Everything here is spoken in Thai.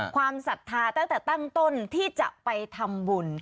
ศรัทธาตั้งแต่ตั้งต้นที่จะไปทำบุญ